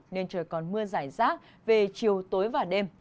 nên trời còn mưa rải rác về chiều tối và đêm